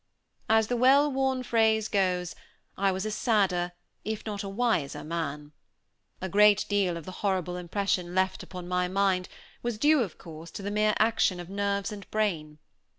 As the well worn phrase goes, I was a sadder if not a wiser man. A great deal of the horrible impression left upon my mind was due, of course, to the mere action of nerves and brain.